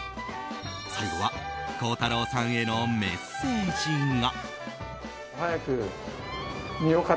最後は孝太郎さんへのメッセージが。